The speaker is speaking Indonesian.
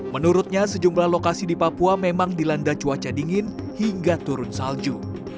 menurutnya sejumlah lokasi di papua memang dilanda cuaca dingin hingga turun salju